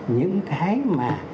những cái mà